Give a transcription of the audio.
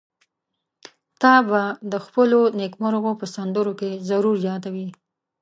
تا به د خپلو نېکمرغيو په سندرو کې ضرور يادوي.